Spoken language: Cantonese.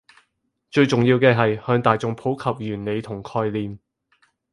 最重要嘅係向大衆普及原理同概念